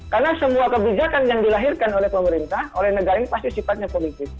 karena semua kebijakan yang dilahirkan oleh pemerintah oleh negara yang tersebut itu politis